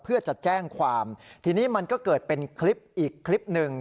เพื่อจะแจ้งความทีนี้มันก็เกิดเป็นคลิปอีกคลิปหนึ่ง